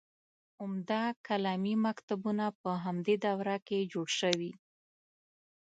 عمده کلامي مکتبونه په همدې دوره کې جوړ شوي.